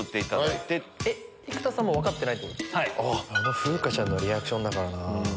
あの風花ちゃんのリアクションだからな。